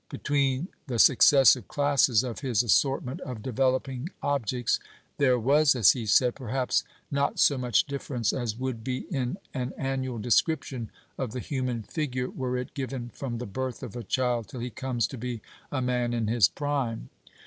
Between the successive classes of his assortment of developing objects there was, as he said, "perhaps not so much difference as would be in an annual description of the human figure, were it given from the birth of a child till he comes to be a man in his prime."